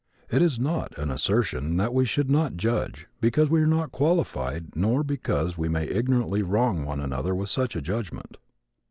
It is not an assertion that we should not judge because we are not qualified nor because we may ignorantly wrong another with such a judgment.